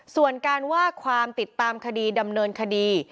ส่วนการว่าความติดตามคดีดำเนินคดี